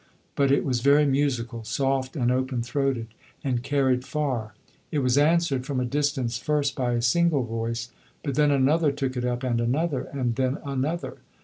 But it was very musical, soft and open throated, and carried far. It was answered from a distance, first by a single voice; but then another took it up, and another; and then another.